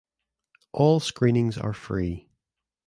All screenings are free.